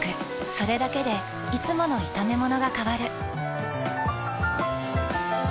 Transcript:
それだけでいつもの炒めものが変わる。